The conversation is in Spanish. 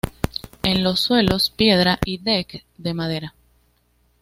En los suelos piedra y deck de madera.